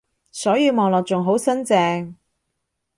所以望落仲好新淨